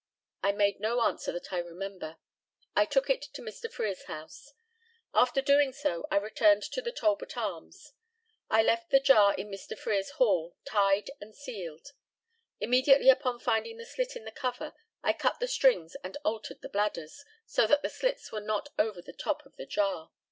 I made no answer that I remember. I took it to Mr. Frere's house. After doing so, I returned to the Talbot Arms. I left the jar in Mr. Frere's hall, tied and sealed. Immediately upon finding the slit in the cover, I cut the strings and altered the bladders, so that the slits were not over the top of the jar.